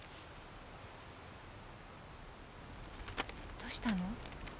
どうしたの？